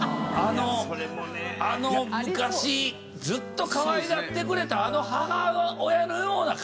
あの昔ずっとかわいがってくれたあの母親のような顔になりたい！